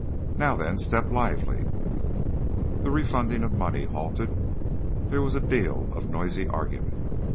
Now then, step lively! The refunding of money halted; there was a deal of noisy argument.